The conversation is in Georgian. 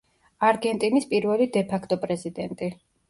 არგენტინის პირველი დე-ფაქტო პრეზიდენტი.